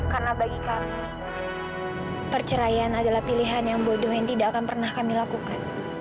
karena bagi kami perceraian adalah pilihan yang bodoh yang tidak akan pernah kami lakukan